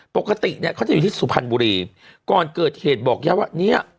ปกติเค้าจะอยู่ที่สูฟันบุรีก่อนเกิดเหตุบอกเยอะว่า